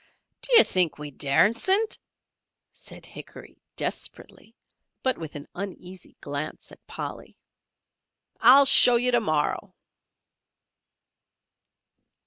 "Dy'ar think we daresent," said Hickory, desperately, but with an uneasy glance at Polly. "I'll show yer to morrow."